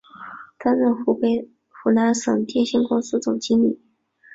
担任湖南省电信公司总经理。